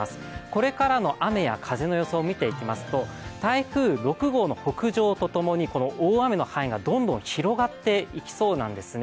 これからの雨や風の予想を見ていきますと、台風６号の北上とともにこの大雨の範囲がどんどん広がっていきそうなんですね。